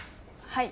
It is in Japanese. はい。